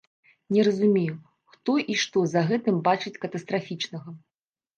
Не разумею, хто і што за гэтым бачыць катастрафічнага?